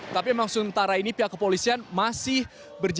tapi memang sementara ini pihak kepolisian masih berjalan